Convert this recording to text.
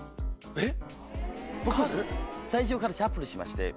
えっ？